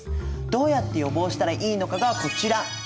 どうやって予防したらいいのかがこちら。